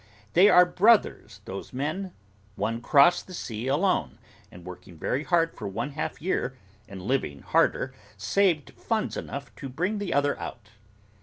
They are brothers, those men. One crossed the sea alone, and working very hard for one half year, and living harder, saved funds enough to bring the other out.